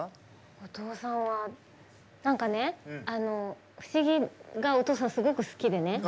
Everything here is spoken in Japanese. お父さんは何かねあの「不思議」がお父さんすごく好きでね。